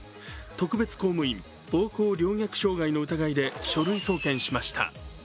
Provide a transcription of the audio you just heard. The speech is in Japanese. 特別公務員暴行凌虐傷害の疑いで書類送検しました。